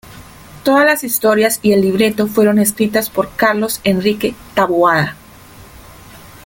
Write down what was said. Todas las historias y el Libreto fueron escritas por Carlos Enrique Taboada.